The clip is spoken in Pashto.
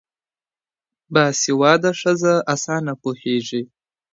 باسواده ښځه اسانه پوهيږي